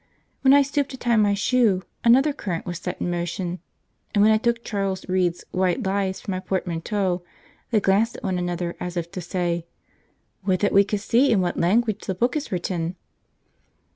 When I stooped to tie my shoe another current was set in motion, and when I took Charles Reade's White Lies from my portmanteau they glanced at one another as if to say, 'Would that we could see in what language the book is written!'